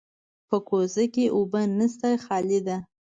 په کوزه کې اوبه نشته، خالي ده.